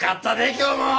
今日も。